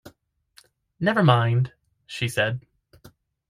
“Never mind,” she said.